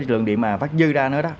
lượng điện mà phát dư ra nữa đó